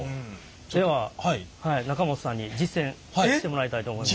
では中本さんに実践してもらいたいと思います。